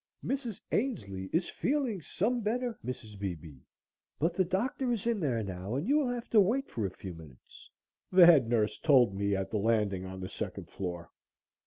"Mrs. Ainslee is feeling some better, Mrs. Beebe, but the doctor is in there now and you will have to wait for a few minutes," the head nurse told me at the landing on the second floor.